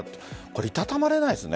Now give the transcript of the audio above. いたたまれないですね。